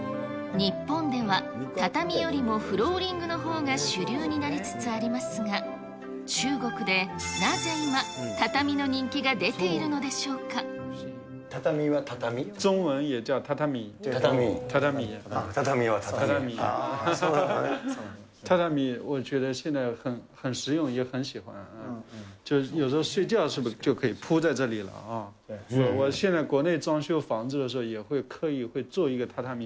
日本では畳よりもフローリングのほうが主流になりつつありますが、中国でなぜ今、畳の人気が畳は畳？畳は畳、ああ、そうなんだね。